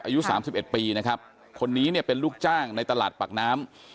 อายุ๓๑ปีนะครับคนนี้เนี่ยเป็นลูกจ้างในตลาดปากน้ำ